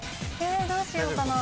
どうしようかな？